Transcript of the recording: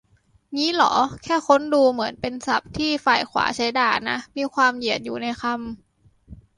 งี้เหรอ แต่ค้นดูเหมือนเป็นศัพท์ที่ฝ่ายขวาใช้ด่านะ มีความเหยียดอยู่ในคำ